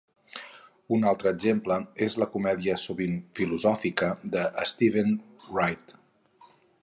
Un altre exemple és la comèdia sovint filosòfica de Steven Wright.